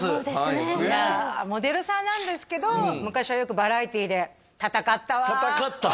いやモデルさんなんですけど昔はよくバラエティーで戦ったわ戦った？